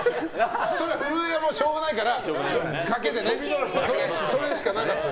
震えもしょうがないからかけでね、それしかなかった。